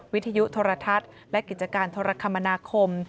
วิทยุโทรทัศน์และกิจการโทรคมนาคม